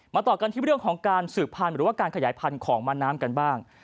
ต่อกันที่เรื่องของการสืบพันธุ์หรือว่าการขยายพันธุ์ของม้าน้ำกันบ้าง